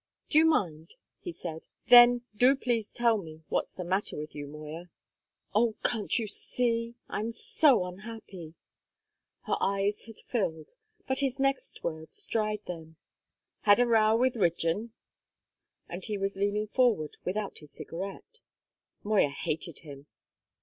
"Do you mind?" he said. "Then do please tell me what's the matter with you, Moya!" "Oh, can't you see? I'm so unhappy!" Her eyes had filled, but his next words dried them. "Had a row with Rigden?" And he was leaning forward without his cigarette. Moya hated him.